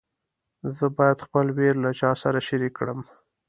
زه باید خپل ویر له چا سره شریک کړم.